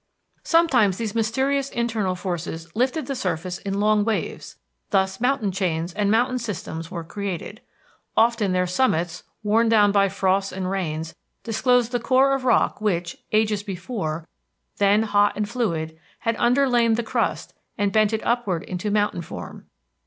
Sometimes these mysterious internal forces lifted the surface in long waves. Thus mountain chains and mountain systems were created. Often their summits, worn down by frosts and rains, disclose the core of rock which, ages before, then hot and fluid, had underlain the crust and bent it upward into mountain form.